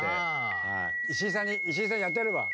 石井さんに石井さんにやってやれば？